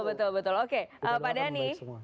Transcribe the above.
betul betul oke pak dhani